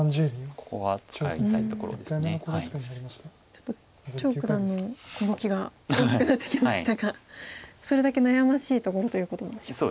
ちょっと張栩九段の動きが大きくなってきましたがそれだけ悩ましいところということなんでしょうか。